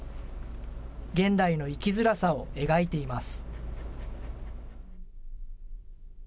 現代の生きづらさを描いています。